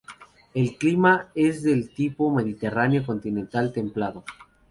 El clima es del tipo mediterráneo continental templado.